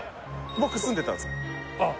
僕住んでたんですよあっ